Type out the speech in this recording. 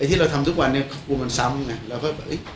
ที่เราทำทุกวันนี้กลัวมันซ้ำไงเราก็แบบ